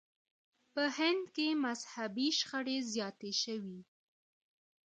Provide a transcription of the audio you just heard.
په هند کې مذهبي شخړې زیاتې شوې.